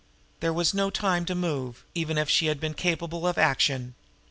There was no time to move, even had she been capable of action.